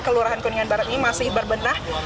kelurahan kuningan barat ini masih berbenah